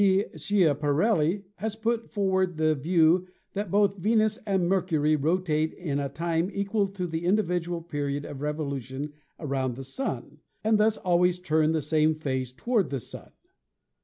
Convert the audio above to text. G. Schia parelli has put forward the view that both Venus and Mercury rotate in a time equal to the individual period of revolution around the Sun, and thus always turn the same face toward the Sun.